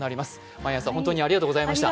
毎朝本当にありがとうございました。